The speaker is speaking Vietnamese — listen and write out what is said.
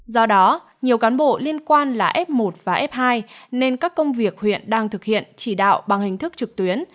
do đó nhiều cán bộ liên quan là f một và f hai nên các công việc huyện đang thực hiện chỉ đạo bằng hình thức trực tuyến